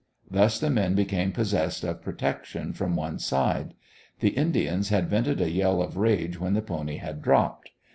Thus the men became possessed of protection from one side. The Indians had vented a yell of rage when the pony had dropped.